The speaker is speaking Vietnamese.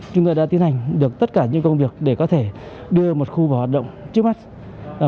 chúng tôi đã tiến hành được tất cả những công việc để có thể đưa một khu vào hoạt động trước mắt